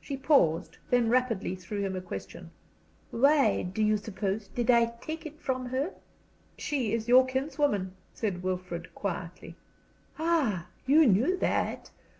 She paused, then rapidly threw him a question: "Why, do you suppose, did I take it from her?" "She is your kinswoman," said Wilfrid, quietly. "Ah, you knew that!